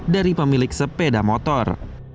dari pemilik sepeda motor